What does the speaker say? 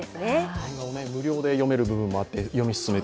漫画を無料で読める部分もあって。